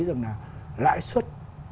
rồi là lãi suất